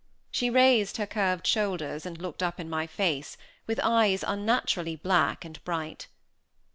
She raised her curved shoulders, and looked up in my face, with eyes unnaturally black and bright.